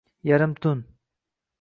Yarim tun.